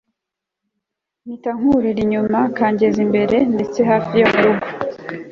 mpitankurira inyuma kangeza imbere, ndetse hafi yo murugo